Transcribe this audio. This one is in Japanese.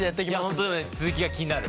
本当にね続きが気になる。